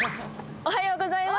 おはようございます。